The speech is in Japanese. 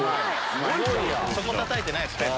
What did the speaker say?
そこたたいてないです。